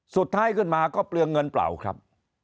สุดท้ายขึ้นมาก็เปลืองเงินเปล่าครับ